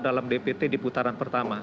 dalam dpt di putaran pertama